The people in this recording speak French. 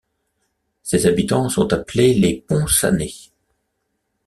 Ses habitants sont appelés les Ponsannais.